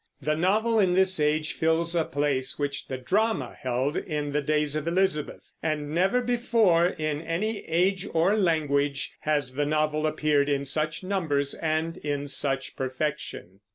The novel in this age fills a place which the drama held in the days of Elizabeth; and never before, in any age or language, has the novel appeared in such numbers and in such perfection.